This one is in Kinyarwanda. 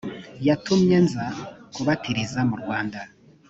yatumye nza kubatiriza mu rwanda